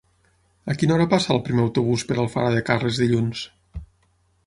A quina hora passa el primer autobús per Alfara de Carles dilluns?